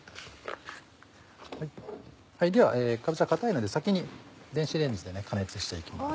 ではかぼちゃ硬いので先に電子レンジで加熱していきます。